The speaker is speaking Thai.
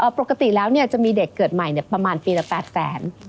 ปกติแล้วจะมีเด็กเกิดใหม่ประมาณปีละ๘แสน